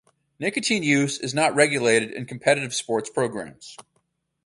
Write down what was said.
Nicotine use is not regulated in competitive sports programs.